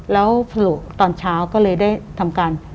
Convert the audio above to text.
แล้วผลุตอนเช้าก็เลยได้ทำการ